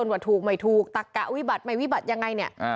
ในวันศาสตร์ถูกหรือไม่ถูกตะกะวี่บัตรไม่วี่บัตรยังไงเนี่ย